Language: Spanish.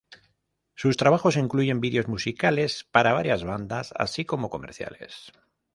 Sus trabajos incluyen vídeos musicales para varias bandas así como comerciales.